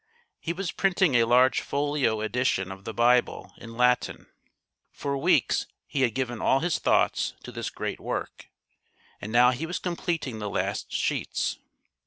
He was printing a large folio edition of the Bible in Latin. For weeks he had given all his thoughts to this great work, and now he was completing the last sheets.